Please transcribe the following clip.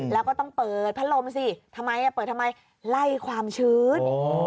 แล้วก็ต้องเปิดพันลมสิทำไมไล่ความชื้น